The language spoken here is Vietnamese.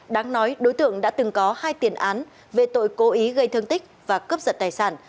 đáng nói đối tượng đã từng có hai tiền án về tội cố ý gây thương tích và cướp giật tài sản